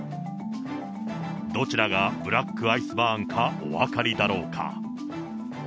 どちらがブラックアイスバーンかお分かりだろうか。